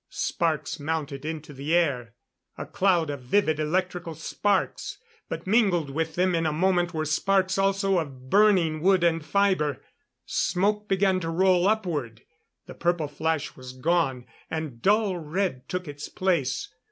Sparks mounted into the air a cloud of vivid electrical sparks; but mingled with them in a moment were sparks also of burning wood and fibre. Smoke began to roll upward; the purple flash was gone, and dull red took its place.